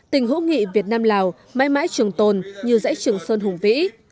tình hữu nghị việt nam lào mãi mãi trường tồn như dãy trường sơn hùng vĩ